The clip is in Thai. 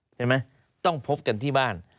ใช่ไหมต้องพบกันที่บ้าน